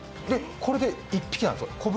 これで１匹なんですか？